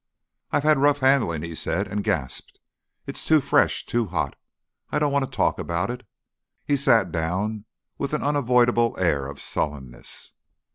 "I've had rough handling," he said, and gasped. "It's too fresh too hot. I don't want to talk about it." He sat down with an unavoidable air of sullenness.